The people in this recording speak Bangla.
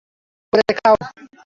ভাগ করে খাও।